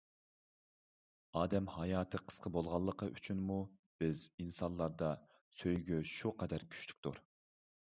ئادەم ھاياتى قىسقا بولغانلىقى ئۈچۈنمۇ بىز ئىنسانلاردا سۆيگۈ شۇ قەدەر كۈچلۈكتۇر.